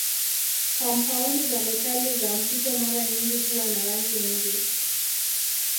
Kampaundi za metali za mpito mara nyingi huwa na rangi nyingi.